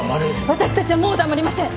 私たちはもう黙りません。